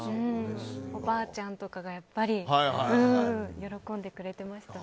おばあちゃんとかが喜んでくれていました。